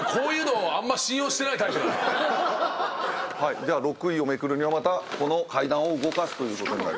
では６位をめくるにはまたこの階段を動かすということになります。